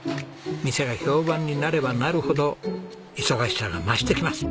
店が評判になればなるほど忙しさが増してきます。